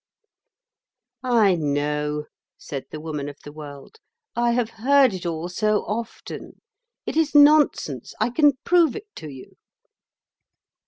"I know," said the Woman of the World; "I have heard it all so often. It is nonsense; I can prove it to you."